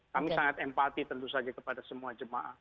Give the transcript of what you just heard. kami sangat empati tentu saja kepada semua jemaah